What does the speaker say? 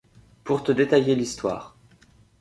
Pour te détailler l’histoire.